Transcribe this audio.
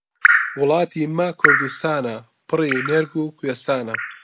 وڵاتی مە کوردستانە، پڕی مێرگ و کوێستانە.